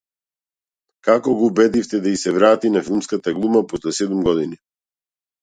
Како го убедивте да ѝ се врати на филмската глума после седум години?